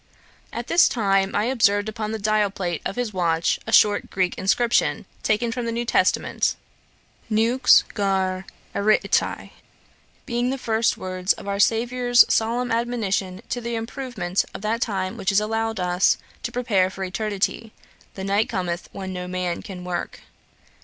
At this time I observed upon the dial plate of his watch a short Greek inscription, taken from the New Testament, Nux gar erchetai, being the first words of our SAVIOUR'S solemn admonition to the improvement of that time which is allowed us to prepare for eternity: 'the night cometh, when no man can work.'